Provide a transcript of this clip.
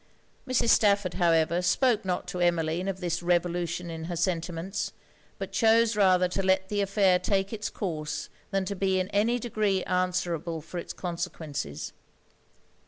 Mrs. Stafford, however, spoke not to Emmeline of this revolution in her sentiments, but chose rather to let the affair take it's course than to be in any degree answerable for it's consequences.